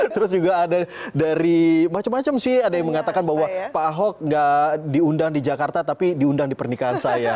terus juga ada dari macam macam sih ada yang mengatakan bahwa pak ahok nggak diundang di jakarta tapi diundang di pernikahan saya